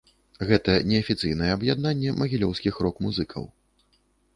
Гэта неафіцыйнае аб'яднанне магілёўскіх рок-музыкаў.